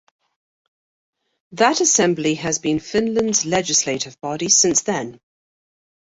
That assembly has been Finland's legislative body since then.